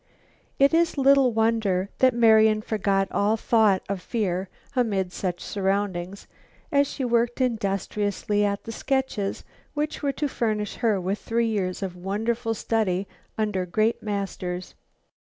It is little wonder that Marian forgot all thought of fear amid such surroundings, as she worked industriously at the sketches which were to furnish her with three years of wonderful study under great masters.